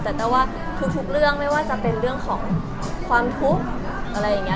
แต่ว่าทุกเรื่องไม่ว่าจะเป็นเรื่องของความทุกข์อะไรอย่างนี้